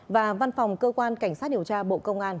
và văn phòng cơ quan cảnh sát điều tra bộ công an